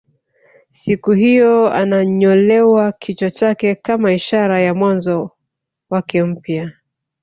Siku hiyo ananyolewa kichwa chake kama ishara ya mwanzo wake mpya